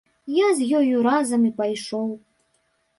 Я з ёю разам і пайшоў.